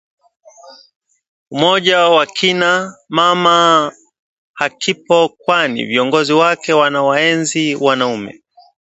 Umoja wa Kina Mama hakipo kwani viongozi wake wanawaenzi wanaume